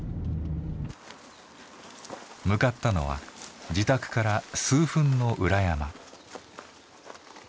向かったのは自宅から数分の裏山。